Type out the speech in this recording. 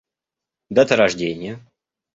Дата рождения